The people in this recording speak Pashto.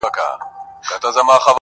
له خوار مجنونه پټه ده لیلا په کرنتین کي!